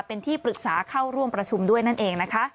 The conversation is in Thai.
เป็นที่ปรึกษาเข้าร่วมประชุมด้วยเนินแห่ง